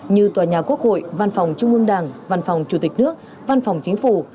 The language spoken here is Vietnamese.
như tòa nhà quốc hội văn phòng trung ương đảng văn phòng chủ tịch nước văn phòng chính phủ